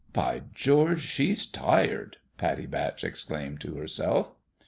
" By George, she's tired !" Pattie Batch ex claimed to herself.